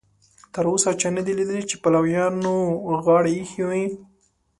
تر اوسه چا نه دي لیدلي چې پلویانو غاړه ایښې وي.